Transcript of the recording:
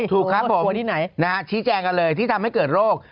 ถูกครับผมชี้แจงกันเลยที่ทำให้เกิดโรค